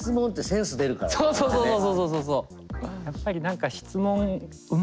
そうそうそうそう。